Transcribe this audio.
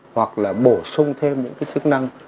hoặc là bổ sung thêm những cái chức năng